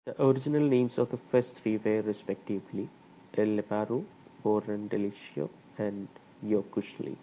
The original names of the first three were, respectively, "el'leparu," "o'run-del'lic"o and "yok'cushly.